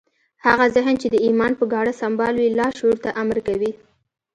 هغه ذهن چې د ايمان په ګاڼه سمبال وي لاشعور ته امر کوي.